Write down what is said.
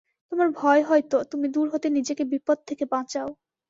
তোমার ভয় হয় তো তুমি দূর হতে নিজেকে বিপদ থেকে বাঁচাও।